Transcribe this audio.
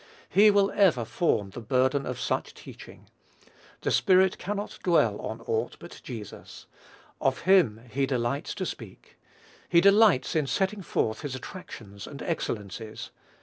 He will ever form the burden of such teaching. The Spirit cannot dwell on aught but Jesus. Of him he delights to speak. He delights in setting forth his attractions and excellencies.